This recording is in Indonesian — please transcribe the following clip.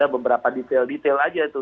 beberapa detail detail saja itu